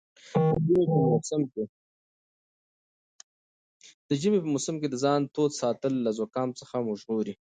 د ژمي په موسم کې د ځان تود ساتل له زکام څخه مو ژغوري.